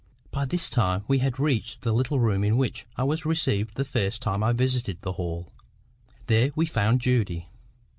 By this time we had reached the little room in which I was received the first time I visited the Hall. There we found Judy.